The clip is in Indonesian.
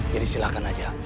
jadi silakan aja